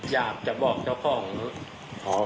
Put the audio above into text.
อยากจะบอกเจ้าของรถ